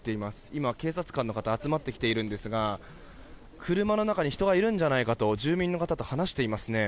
今、警察官の方が集まってきているんですが車の中に人がいるんじゃないかと今、住民の方と話していますね。